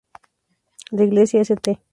La Iglesia "St.